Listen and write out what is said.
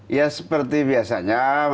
ya seperti biasanya